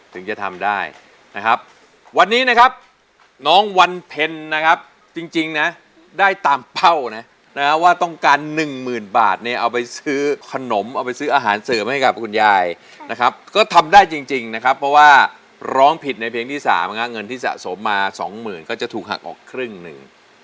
ถึงจะทำได้นะครับวันนี้นะครับน้องวันเพ็ญนะครับจริงนะได้ตามเป้านะนะว่าต้องการหนึ่งหมื่นบาทเนี่ยเอาไปซื้อขนมเอาไปซื้ออาหารเสริมให้กับคุณยายนะครับก็ทำได้จริงนะครับเพราะว่าร้องผิดในเพลงที่๓เงินที่สะสมมาสองหมื่นก็จะถูกหักออกครึ่งหนึ่ง